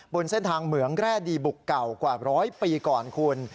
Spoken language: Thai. บนเส้นทางเหมืองแร่ดีบุกเก่ากว่าร้อยปีก่อนคุณ